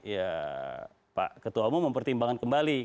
ya pak ketua umum mempertimbangkan kembali